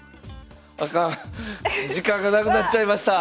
あかん時間がなくなっちゃいました。